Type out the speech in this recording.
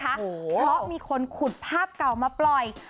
เพราะมีคนขุดภาพเก่ามาปล่อย